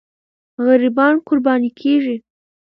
غریبان قرباني کېږي.